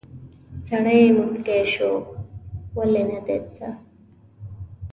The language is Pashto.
سړی موسکی شو: ولې، نه دي څه؟